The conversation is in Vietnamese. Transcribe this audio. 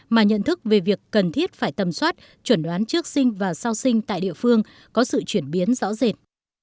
mà nhận thức về việc cần thiết phải tầm soát trần đoán chức sinh và sơ sinh tại địa phương có sự chuyển biến rõ rệt